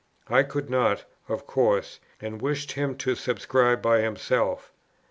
I could not, of course, and wished him to subscribe by himself.